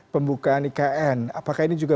pembukaan ikn apakah ini juga